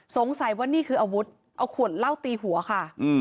สงสัยว่านี่คืออาวุธเอาขวดเหล้าตีหัวค่ะ